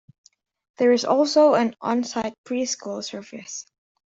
There is also an on-site pre-school service.